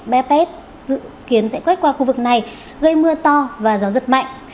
bébét dự kiến sẽ quét qua khu vực này gây mưa to và gió rất mạnh